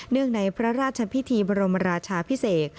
ในพระราชพิธีบรมราชาพิเศษ